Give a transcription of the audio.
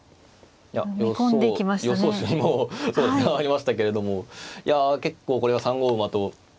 いや予想手にもありましたけれどもいや結構これは３五馬と。